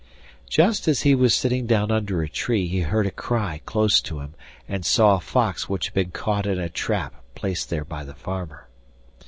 Just as he was sitting down under a tree he heard a cry close to him, and saw a fox which had been caught in a trap placed there by the farmer.